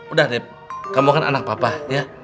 udah rip kamu kan anak papa ya